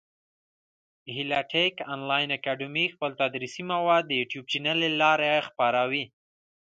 هیله ټېک انلاین اکاډمي خپل تدریسي مواد د يوټیوب چېنل له لاري خپره وي.